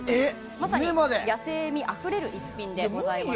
まさに野性味あふれる逸品でございます。